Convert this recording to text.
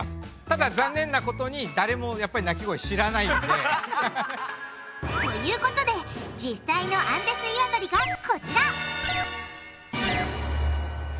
ただ残念なことに誰もやっぱり鳴き声を知らないんで。ということで実際のアンデスイワドリがこちら！